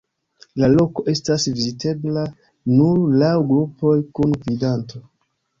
La loko estas vizitebla nur laŭ grupoj, kun gvidanto.